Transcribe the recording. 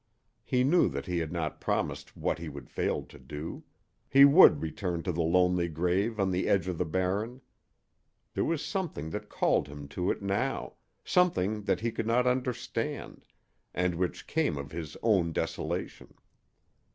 He knew that he had not promised what he would fail to do. He would return to the lonely grave on the edge of the Barren. There was something that called him to it now, something that he could not understand, and which came of his own desolation.